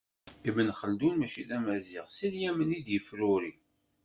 Ibn Xeldun mačči d amaziɣ, si Lyaman i d-yefruri.